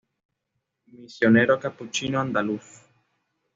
Misionero capuchino andaluz.